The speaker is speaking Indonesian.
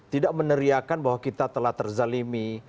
tidak meneriakan bahwa kita telah terzalimi